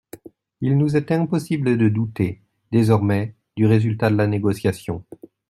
Il nous était impossible de douter, désormais, du résultat de la négociation.